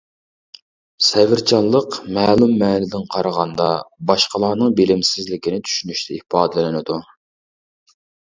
سەۋرچانلىق مەلۇم مەنىدىن قارىغاندا، باشقىلارنىڭ بىلىمسىزلىكىنى چۈشىنىشتە ئىپادىلىنىدۇ.